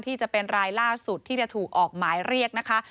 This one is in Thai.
ที่จะเป็นรายล่าสุดที่จะถูกออกหมายเรียกนะคะ